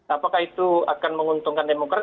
apakah itu akan menguntungkan demokrat